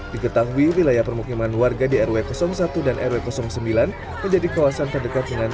diketahui wilayah permukiman warga di rw satu dan rw sembilan menjadi kawasan terdekat dengan